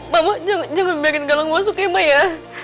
mama jangan biarin galang masuk ya ma ya